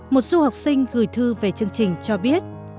một du học sinh gửi thư về chương trình cho biết